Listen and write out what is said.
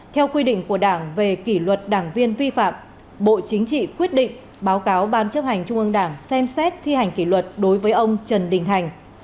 theo quy định của đảng về kỷ luật đảng viên vi phạm bộ chính trị quyết định báo cáo ban chấp hành trung ương đảng xem xét thi hành kỷ luật đối với ông trần đình thành